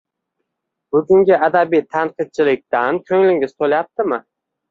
Bugungi adabiy tanqidchilikdan ko‘nglingiz to‘layaptimi